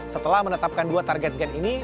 setelah menetapkan dua target gen ini